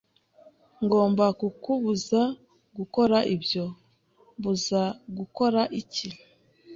"Ngomba kukubuza gukora ibyo." "Mbuza gukora iki?"